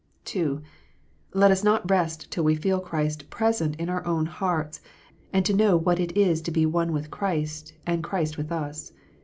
(2) Let us not rest till we feel Christ " present " in our own hearts, and know what it is to be one with Christ and Christ with us.